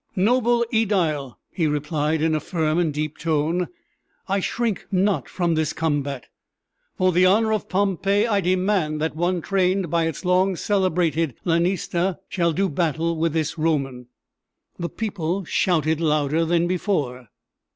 "Noble ædile!" he replied, in a firm and deep tone, "I shrink not from this combat. For the honor of Pompeii, I demand that one trained by its long celebrated lanista shall do battle with this Roman." The people shouted louder than before.